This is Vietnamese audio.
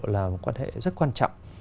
là một quan hệ rất quan trọng